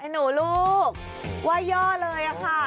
ไอหนูลูกไหว่ย่อเลยอะค่ะ